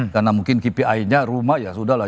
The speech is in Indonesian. karena mungkin kpi nya rumah ya sudah lah